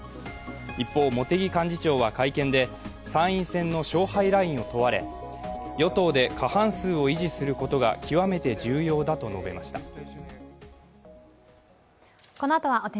一方、茂木幹事長は会見で参院選の勝敗ラインを問われ、与党で過半数を維持することが極めて重要だと述べました。